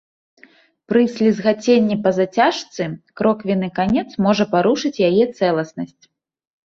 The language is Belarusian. Пры слізгаценні па зацяжцы кроквенны канец можа парушыць яе цэласнасць.